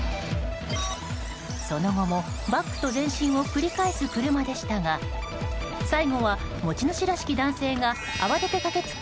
その後もバックと前進を繰り返す車でしたが最後は持ち主らしき男性が慌てて駆けつけ